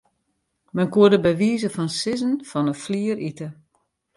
Men koe der by wize fan sizzen fan 'e flier ite.